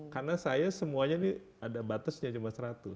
karena saya semuanya nih ada batasnya cuma seratus